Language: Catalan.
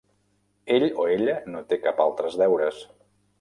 Ell o ella no té cap altres deures.